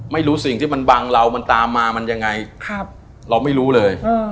ไม่รู้สิ่งที่มันบังเรามันตามมามันยังไงเราไม่รู้เลย